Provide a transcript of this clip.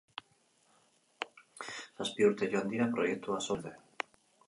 Zazpi urte joan dira proiektua sortu zenetik gauzatu den arte.